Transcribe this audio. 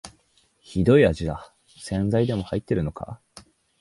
ひどい味だ、洗剤でも入ってるのか